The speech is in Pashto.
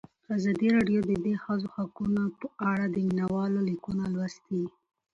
ازادي راډیو د د ښځو حقونه په اړه د مینه والو لیکونه لوستي.